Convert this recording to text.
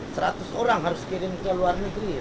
seratus orang harus kirim ke luar negeri